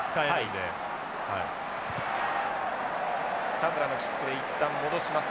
田村のキックで一旦戻します。